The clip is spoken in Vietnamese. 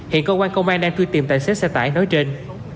hiện công an công an đang tuy tìm tài xế xe tải nói trên